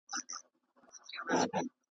ملیار چي په لوی لاس ورکړي زاغانو ته بلني .